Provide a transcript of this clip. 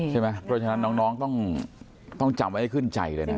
ใช่ไหมเพราะฉะนั้นน้องต้องจำไว้ให้ขึ้นใจเลยนะ